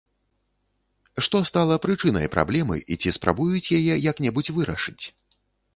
Што стала прычынай праблемы і ці спрабуюць яе як-небудзь вырашыць?